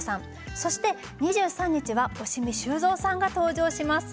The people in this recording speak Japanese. そして２３日は押見修造さんが登場します。